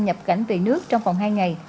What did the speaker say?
nhập cảnh về nước trong vòng hai ngày